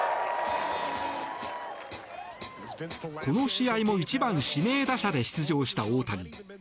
この試合も１番指名打者で出場した大谷。